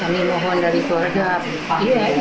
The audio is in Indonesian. mohon dari korban